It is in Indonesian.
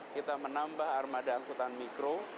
kita menambah armada angkutan mikro